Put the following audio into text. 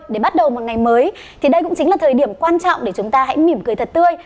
để bắt đầu một ngày mới thì đây cũng chính là thời điểm quan trọng để chúng ta hãy mỉm cười thật tươi